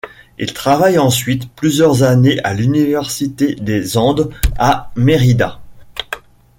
Il travaille ensuite plusieurs années à l'Université des Andes à Mérida.